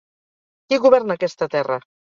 Qui governa aquesta terra?